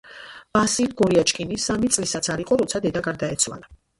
ვასილი გორიაჩკინი სამი წლისაც არ იყო, როცა დედა გარდაეცვალა.